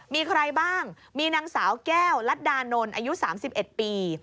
มีใครบ้างมีนางสาวแก้วรัฐดานนท์อายุ๓๑ปี